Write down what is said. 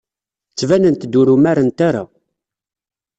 Ttbanent-d ur umarent ara.